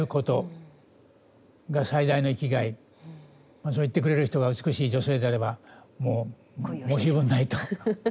まあそう言ってくれる人が美しい女性であればもう申し分ないと。